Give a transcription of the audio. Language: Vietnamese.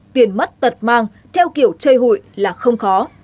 tiền mất tật mang theo kiểu chơi hụi là không khó